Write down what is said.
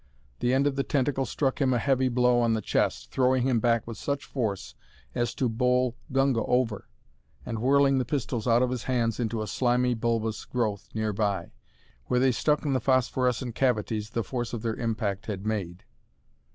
The end of the tentacle struck him a heavy blow on the chest, throwing him back with such force as to bowl Gunga over, and whirling the pistols out of his hands into a slimy, bulbous growth nearby, where they stuck in the phosphorescent cavities the force of their impact had made.